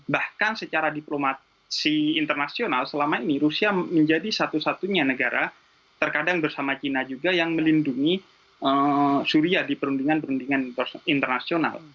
bahkan secara diplomasi internasional selama ini rusia menjadi satu satunya negara terkadang bersama china juga yang melindungi syria di perundingan perundingan internasional